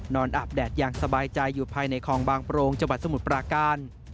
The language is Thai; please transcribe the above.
อาบแดดอย่างสบายใจอยู่ภายในคลองบางโปรงจังหวัดสมุทรปราการ